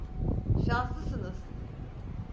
Şanslısınız.